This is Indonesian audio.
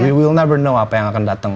we will never know apa yang akan datang